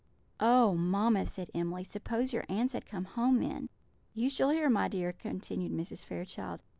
"Oh, mamma!" said Emily, "suppose your aunts had come home then!" "You shall hear, my dear," continued Mrs. Fairchild.